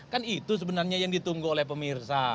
kan itu sebenarnya yang ditunggu oleh pemirsa